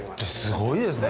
すごいですね。